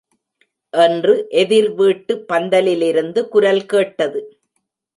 என்று எதிர் வீட்டு பந்தலிலிருந்து குரல் கேட்டது.